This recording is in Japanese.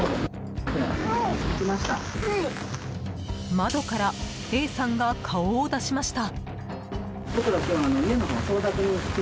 窓からＡさんが顔を出しました。